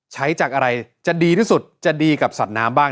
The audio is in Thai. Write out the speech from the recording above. ใช้จากอะไรจะดีที่สุดจะดีกับสัตว์น้ำบ้าง